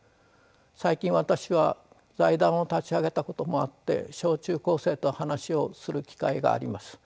最近私は財団を立ち上げたこともあって小中高生と話をする機会があります。